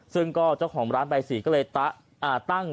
ซึ่งก็เจ้าของร้านใบสีก็เลยตั้ง